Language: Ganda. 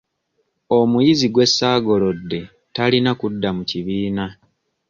Omuyizi gwe ssaagolodde talina kudda mu kibiina.